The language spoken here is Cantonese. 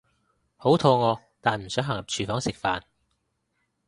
好肚餓但唔想行入廚房飯食